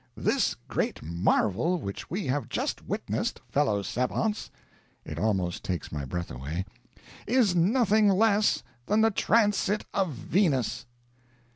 This great marvel which we have just witnessed, fellow savants (it almost takes my breath away), is nothing less than the transit of Venus!"